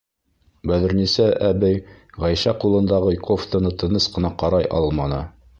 Бәҙерниса әбей Ғәйшә ҡулындағы кофтаны тыныс ҡына ҡарай алманы: